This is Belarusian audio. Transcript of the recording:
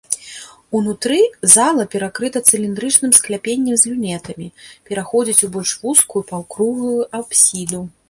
Унутры зала перакрыта цыліндрычным скляпеннем з люнетамі, пераходзіць у больш вузкую паўкруглую апсіду.